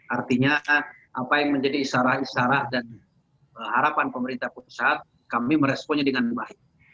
artinya apa yang menjadi isyarat isara dan harapan pemerintah pusat kami meresponnya dengan baik